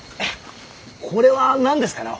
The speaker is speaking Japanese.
これは何ですかのう？